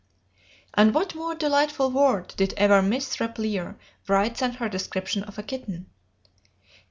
And what more delightful word did ever Miss Repplier write than her description of a kitten?